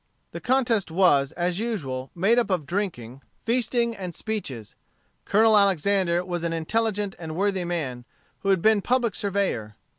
The contest was, as usual, made up of drinking, feasting, and speeches. Colonel Alexander was an intelligent and worthy man, who had been public surveyor.